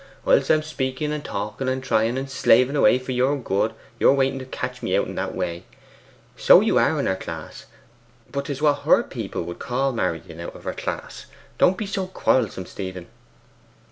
Whilst I am speaking and talking and trying and slaving away for your good, you are waiting to catch me out in that way. So you are in her class, but 'tis what HER people would CALL marrying out of her class. Don't be so quarrelsome, Stephen!